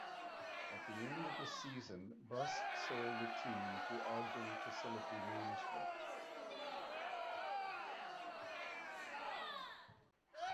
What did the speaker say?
At the end of the season, Buss sold the team to Ogden Facility Management.